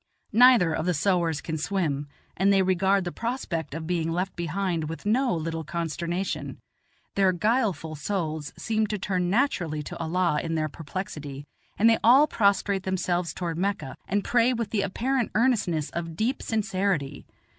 Neither of the sowars can swim, and they regard the prospect of being left behind with no little consternation. Their guileful souls seem to turn naturally to Allah in their perplexity; and they all prostrate themselves toward Mecca, and pray with the apparent earnestness of deep sincerity.